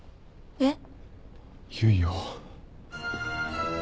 えっ？